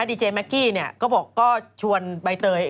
ดีเจแมคกี้เขาบอกโชวนใบเตย